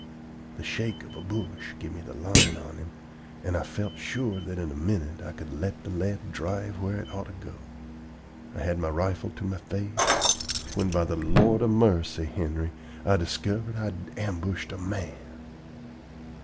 The shake of a bush give me the line on him, and I felt sure that in a minute I could let the lead drive where it ought to go. I had my rifle to my face, when by the Lord of marcy, Henry, I diskivered I had ambushed a man!